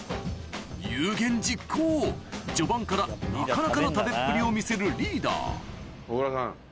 有言実行序盤からなかなかの食べっぷりを見せるリーダー小倉さん